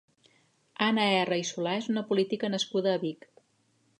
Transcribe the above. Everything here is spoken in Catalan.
Anna Erra i Solà és una política nascuda a Vic.